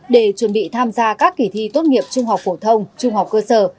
để chuẩn bị tham gia các kỳ thi tốt nghiệp trung học phổ thông trung học cơ sở